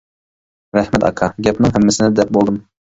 -رەھمەت ئاكا. گەپنىڭ ھەممىسىنى دەپ بولدۇم.